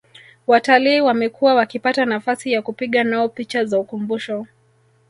Watalii wamekuwa wakipata nafasi ya kupiga nao picha za ukumbusho